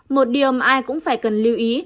một điều mà ai cũng phải cần lưu ý